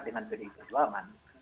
dengan pdi perjuangan